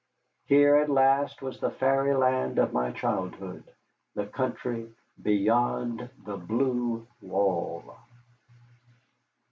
Here at last was the fairyland of my childhood, the country beyond the Blue Wall.